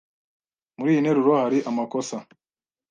Muri iyi nteruro hari amakosa.